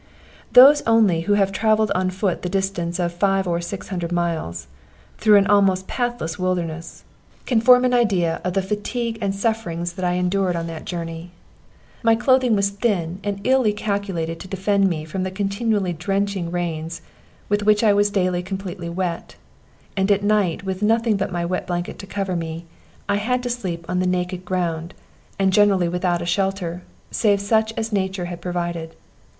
Those only who have travelled on foot the distance of five or six hundred miles, through an almost pathless wilderness, can form an idea of the fatigue and sufferings that I endured on that journey. My clothing was thin and illy calculated to defend me from the continually drenching rains with which I was daily completely wet, and at night with nothing but my wet blanket to cover me, I had to sleep on the naked ground, and generally without a shelter, save such as nature had provided.